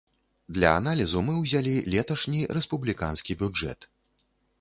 Для аналізу мы ўзялі леташні рэспубліканскі бюджэт.